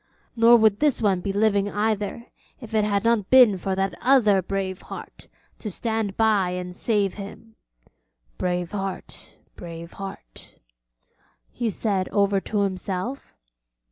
Nor would this one be living either, if it had not been for that other brave heart to stand by and save him. Brave heart, brave heart,' he said over to himself.